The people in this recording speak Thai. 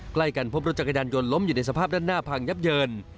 ใกล้กันพบรถจักรยานยนต์ล้มอยู่ในสภาพด้านหน้าพังยับเยิน